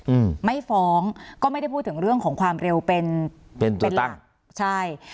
อืมไม่ฟ้องก็ไม่ได้พูดถึงเรื่องของความเร็วเป็นเป็นหลักใช่